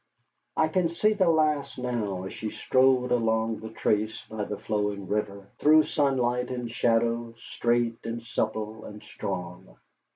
I can see the lass now, as she strode along the trace by the flowing river, through sunlight and shadow, straight and supple and strong.